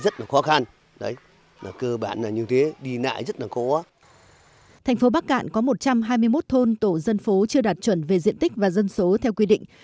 thành phố bắc cạn có một trăm hai mươi một thôn tổ dân phố chưa đạt chuẩn về diện tích và dân số theo quy định